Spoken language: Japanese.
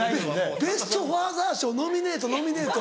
ベスト・ファーザー賞ノミネートノミネート。